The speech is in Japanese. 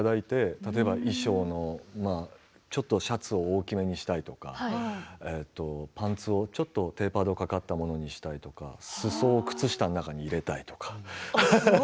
例えば、衣装のちょっとシャツを大きめにしたいとかパンツをちょっとテーパードかかったものにしたいとかすそを靴下の中に入れたいとか。